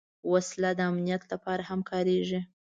وسله د امنیت لپاره هم کارېږي